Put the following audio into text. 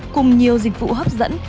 cùng nhiều dịch vụ hấp dẫn